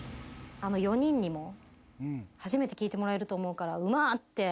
あの４人にも初めて聴いてもらえると思うから。